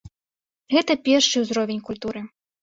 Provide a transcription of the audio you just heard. Гэта першы ўзровень культуры.